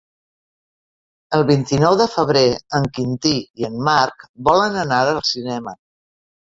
El vint-i-nou de febrer en Quintí i en Marc volen anar al cinema.